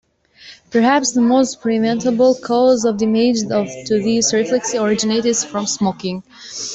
Perhaps the most preventable cause of damage to these reflexes originates from smoking.